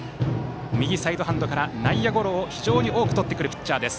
右サイドハンドから内野ゴロを非常に多くとってくるピッチャーです。